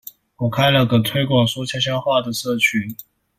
我開了個推廣說悄悄話的社群